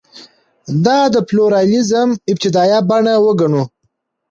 دا د پلورالېزم ابتدايي بڼه وګڼو.